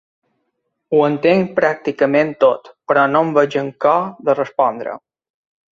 Ho entenc pràcticament tot, però no em veig amb cor de respondre.